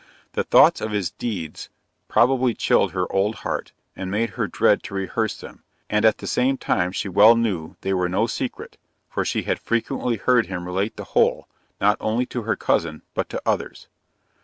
The thoughts of his deeds, probably chilled her old heart, and made her dread to rehearse them, and at the same time she well knew they were no secret, for she had frequently heard him relate the whole, not only to her cousin, but to others.